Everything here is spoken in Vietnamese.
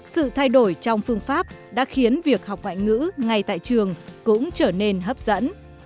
sự thay đổi trong phương pháp đã khiến việc học ngoại ngữ ngay tại trường cũng trở nên hấp dẫn